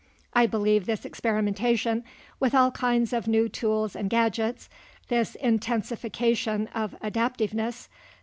I believe this experimentation with all kinds of new tools and gadgets, this intensification of adaptiveness (p.